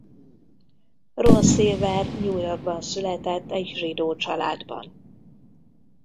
Ron Silver New Yorkban született egy zsidó családban.